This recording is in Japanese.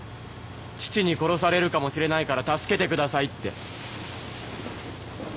「父に殺されるかもしれないから助けてください」って。